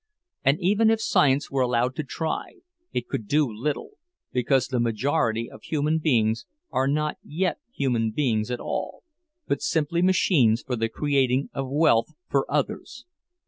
And even if science were allowed to try, it could do little, because the majority of human beings are not yet human beings at all, but simply machines for the creating of wealth for others.